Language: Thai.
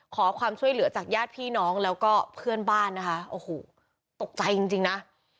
ขอความช่วยเหลือจากญาติพี่น้องแล้วก็เพื่อนบ้านนะคะโอ้โหตกใจจริงนะ